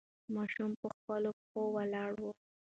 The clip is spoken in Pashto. ماشوم په خپلو پښو ولاړ و.